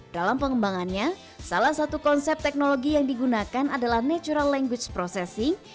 dalam pengembangannya salah satu konsep teknologi yang digunakan adalah natural language processing